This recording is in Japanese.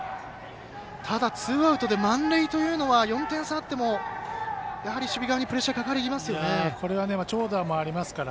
ただツーアウトで満塁というのは４点差あってもやはり守備側にプレッシャーこれは長打もありますから。